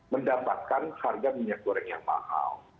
mendapatkan harga minyak goreng yang mahal